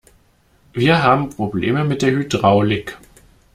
Wir haben Probleme mit der Hydraulik.